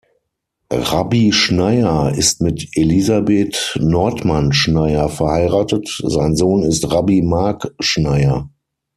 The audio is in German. Rabbi Schneier ist mit Elisabeth Nordmann Schneier verheiratet, sein Sohn ist Rabbi Marc Schneier.